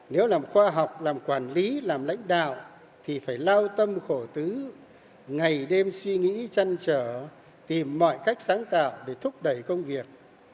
nếu làm khoa học làm quản lý làm lãnh đạo thì phải lao tâm khổ tứ ngày đêm suy nghĩ trăn trở tìm mọi cách sáng tạo để thúc đẩy công việc